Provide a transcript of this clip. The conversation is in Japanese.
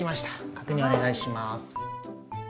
確認お願いします。